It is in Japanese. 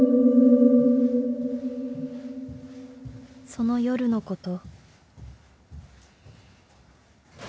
・［その夜のこと］